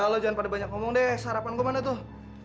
lo jangan pada banyak ngomong deh sarapan gue mana tuh